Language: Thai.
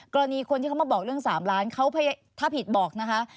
กรณีคนที่เขามาบอกเรื่อง๓ล้านเขาถ้าผิดบอกนะคะ